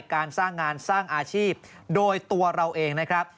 การสร้างงานสร้างอาชีพโดยตัวเราเองนะครับ